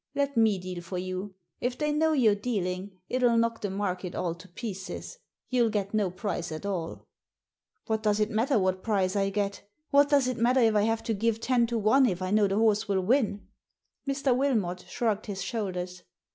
Let me deal for j^u. If they know you're dealing it'll knock the market all to pieces ; youll get no price at all" . What does it matter what price I get? What does it matter if I have to give ten to one if I know the horse will win ?" Mr. Wilmot shrugged his shoulders.